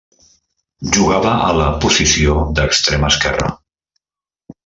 Jugava a la posició d'extrem esquerre.